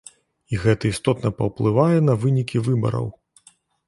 І гэта істотна паўплывае на вынікі выбараў.